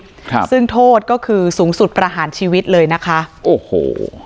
ครับซึ่งโทษก็คือสูงสุดประหารชีวิตเลยนะคะโอ้โห